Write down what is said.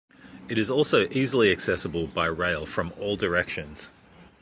It is also easily accessible by rail from all directions.